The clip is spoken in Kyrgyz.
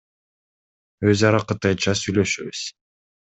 Өз ара кытайча сүйлөшөбүз.